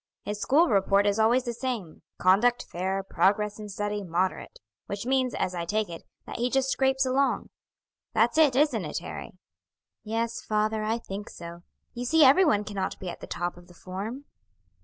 His school report is always the same 'Conduct fair; progress in study moderate' which means, as I take it, that he just scrapes along. That's it, isn't it, Harry?" "Yes, father, I think so. You see every one cannot be at the top of the form."